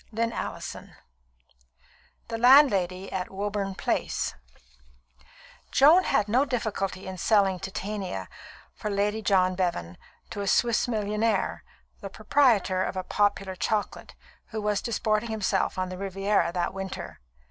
CHAPTER V The Landlady at Woburn Place Joan had no difficulty in selling Titania for Lady John Bevan, to a Swiss millionaire, the proprietor of a popular chocolate, who was disporting himself on the Riviera that winter.